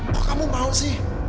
kok kamu mau sih